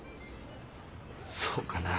そうかな？